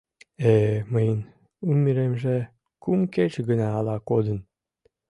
— Э-э, мыйын ӱмыремже кум кече гына ала кодын...